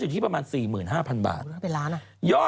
จากกระแสของละครกรุเปสันนิวาสนะฮะ